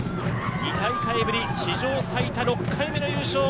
２大会ぶり史上最多６回目の優勝。